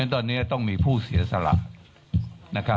ตอนนี้ต้องมีผู้เสียสละ